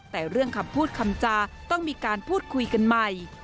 แต่เรื่องคำพูดคำจาต้องมีการพูดคุยกันใหม่